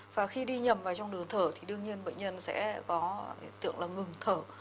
và khi đi nhầm vào trong đường thở thì đương nhiên bệnh nhân sẽ có hiện tượng là ngừng thở